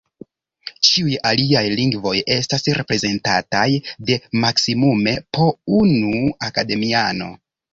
Ĉiuj aliaj lingvoj estas reprezentataj de maksimume po unu akademiano.